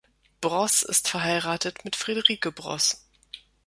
Broß ist verheiratet mit Friederike Broß.